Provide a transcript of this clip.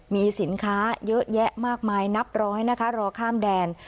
มีสินค้าเยอะแยะมากมายนับร้อยนะคะรอข้ามแดน